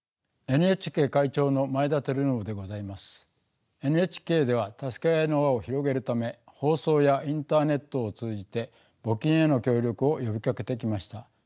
ＮＨＫではたすけあいの輪を広げるため放送やインターネットを通じて募金への協力を呼びかけてきました。